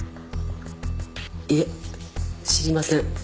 いいえ知りません